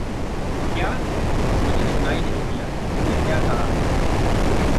क्या? मुझे सुनाई नहीं दिया तुमने क्या कहा।